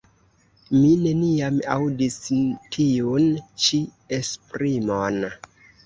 Mi neniam aŭdis tiun ĉi esprimon.